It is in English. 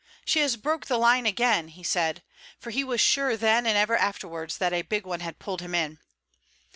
"She has broke the line again!" he said; for he was sure then and ever afterwards that a big one had pulled him in.